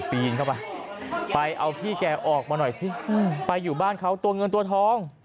ปีนเข้าไปไปเอาพี่แกออกมาหน่อยสิไปอยู่บ้านเขาตัวเงินตัวทอง